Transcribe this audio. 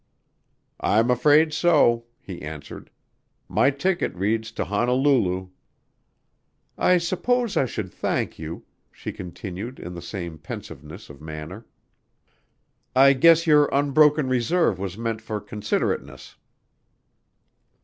"I'm afraid so," he answered. "My ticket reads to Honolulu." "I suppose I should thank you," she continued in the same pensiveness of manner. "I guess your unbroken reserve was meant for considerateness."